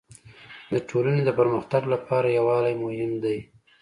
د ټولني د پرمختګ لپاره يووالی مهم دی.